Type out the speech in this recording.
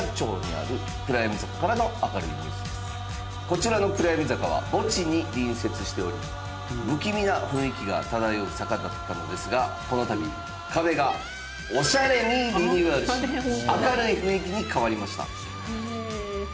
こちらの闇坂は墓地に隣接しており不気味な雰囲気が漂う坂だったのですがこの度壁がオシャレにリニューアルし明るい雰囲気に変わりました。